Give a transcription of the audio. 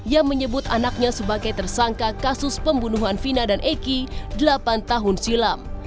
yang menyebut anaknya sebagai tersangka kasus pembunuhan vina dan eki delapan tahun silam